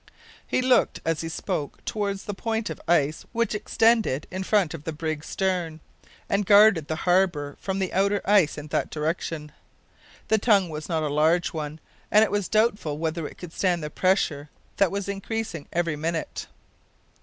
He looked as he spoke toward the point of ice which extended in front of the brig's stern, and guarded the harbour from the outer ice in that direction. The tongue was not a large one, and it was doubtful whether it could stand the pressure that was increasing every minute.